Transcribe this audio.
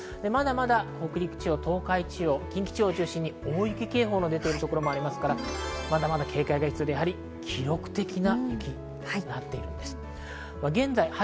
北陸、東海、近畿地方を中心に大雪警報が出ているところもありますから、まだまだ警戒が必要で記録的な雪になっています。